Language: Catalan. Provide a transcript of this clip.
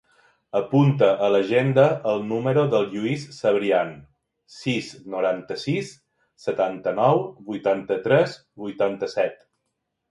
Apunta a l'agenda el número del Lluís Cebrian: sis, noranta-sis, setanta-nou, vuitanta-tres, vuitanta-set.